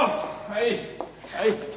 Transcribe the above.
はいはい。